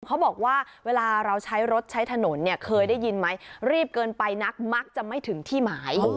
เขาบอกว่าเวลาเราใช้รถใช้ถนนเนี่ยเคยได้ยินไหมรีบเกินไปนักมักจะไม่ถึงที่หมาย